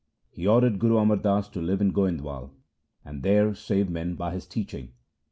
He ordered Guru Amar Das to live in Goindwal, and there save men by his teaching.